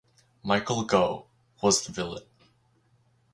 Michael Gough was the villain.